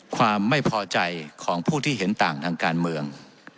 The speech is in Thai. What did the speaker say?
ความไม่พอใจของผู้ที่เห็นต่างทางการเมือง